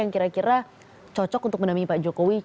kira kira cocok untuk menampingi pak jokowi